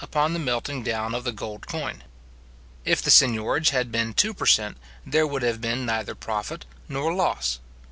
upon the melting down of the gold coin. If the seignorage had been two per cent., there would have been neither profit nor loss.